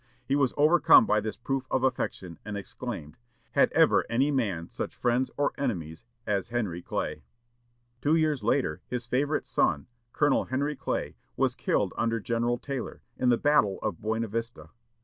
He was overcome by this proof of affection, and exclaimed, "Had ever any man such friends or enemies as Henry Clay!" Two years later, his favorite son, Colonel Henry Clay, was killed under General Taylor, in the battle of Buena Vista.